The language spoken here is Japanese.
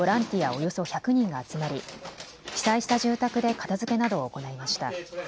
およそ１００人が集まり被災した住宅で片づけなどを行いました。